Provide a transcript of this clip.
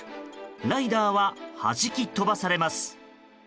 ライダーははじき飛ばされます。